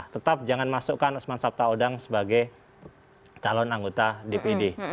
tetap jangan masukkan osman sabtaodang sebagai calon anggota dpd